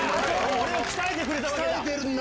俺を鍛えてくれたわけだ。